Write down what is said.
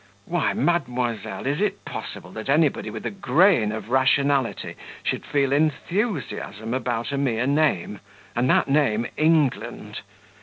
Why, mademoiselle, is it possible that anybody with a grain of rationality should feel enthusiasm about a mere name, and that name England?